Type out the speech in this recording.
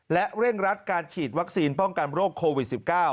และเร่งรัดการฉีดวัคซีนป้องกันโรคโควิด๑๙